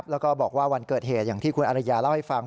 แล้วก็บอกว่าวันเกิดเหตุอย่างที่คุณอริยาเล่าให้ฟัง